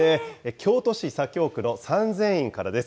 京都市左京区の三千院からです。